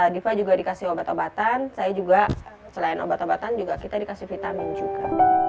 diva juga dikasih obat obatan saya juga selain obat obatan juga kita dikasih vitamin juga